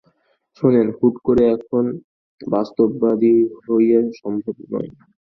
শোনেন, হুট করে এখন বাস্তববাদী হওয়া সম্ভব নয়।